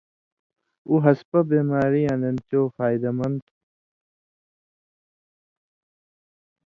اُو ہسپہ بیماریاں دن چو فائدہ مند تُھو۔